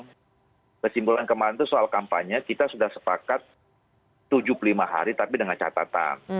kesimpulan kemarin itu soal kampanye kita sudah sepakat tujuh puluh lima hari tapi dengan catatan